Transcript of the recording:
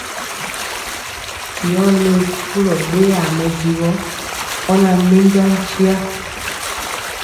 Ti ɔ le pulɔ ɗeyaa mɛdivɔ, ɔ na minja nkya.